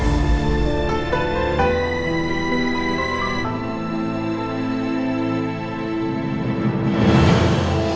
sampai jumpa lagi